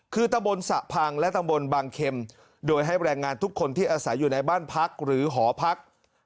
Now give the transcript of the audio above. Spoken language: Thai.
คือตะบนสะพังและตำบลบางเข็มโดยให้แรงงานทุกคนที่อาศัยอยู่ในบ้านพักหรือหอพัก